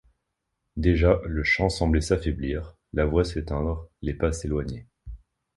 Déjà le chant semblait s’affaiblir... la voix s’éteindre... les pas s’éloigner...